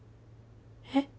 えっ？